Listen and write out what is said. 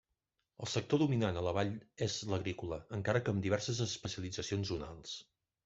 El sector dominant a la vall és l'agrícola encara que amb diverses especialitzacions zonals.